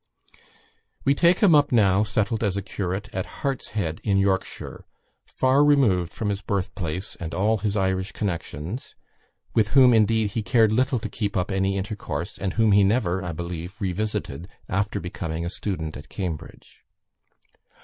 We take him up now settled as a curate at Hartshead, in Yorkshire far removed from his birth place and all his Irish connections; with whom, indeed, he cared little to keep up any intercourse, and whom he never, I believe, revisited after becoming a student at Cambridge.